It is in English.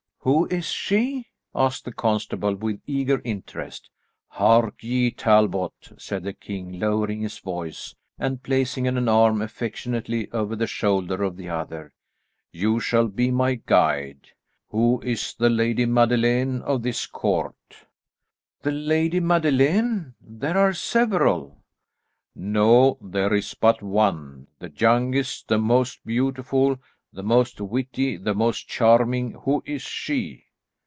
"Who is she?" asked the constable, with eager interest. "Hark ye, Talbot," said the king, lowering his voice and placing an arm affectionately over the shoulder of the other. "You shall be my guide. Who is the Lady Madeleine of this court?" "The Lady Madeleine? There are several." "No, there is but one, the youngest, the most beautiful, the most witty, the most charming. Who is she?"